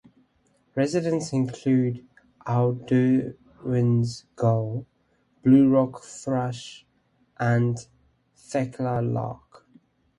Residents include Audouin's gull, blue rock thrush and Thekla lark.